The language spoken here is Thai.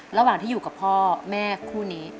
ระหว่างที่อยู่กับพ่อแม่คู่นี้